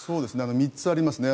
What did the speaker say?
３つありますね。